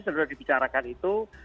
sudah dibicarakan itu